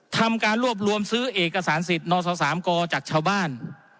ทำการรวบรวมซื้อเอกสารสิทธิ์นศ๓กจากชาวบ้าน